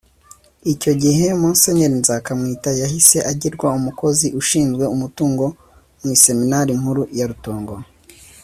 Icyo gihe Mgr Nzakamwita yahise agirwa umukozi ushinzwe umutungo mu Iseminari Nkuru ya Rutongo